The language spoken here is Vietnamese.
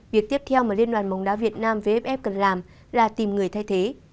việc tiếp theo mà liên đoàn bóng đá việt nam vff cần làm là tìm người thay thế